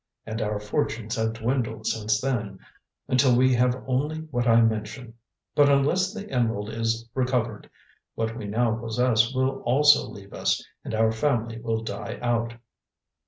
And our fortunes have dwindled since then, until we have only what I mention. But unless the emerald is recovered, what we now possess will also leave us, and our family will die out.